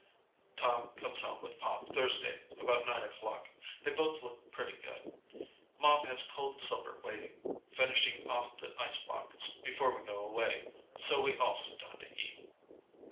Tom comes home with Pop Thursday about nine o'clock. They both look pretty good. Mom has cold supper waiting, finishing off the icebox before we go away, so we all sit down to eat.